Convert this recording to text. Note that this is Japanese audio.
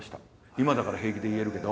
今だから平気で言えるけど。